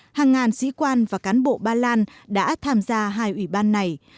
hàng ngàn sĩ quan và cán bộ ba lan đã tham gia hai ủy ban này